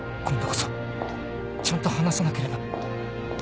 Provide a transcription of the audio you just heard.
今度こそちゃんと話さなければ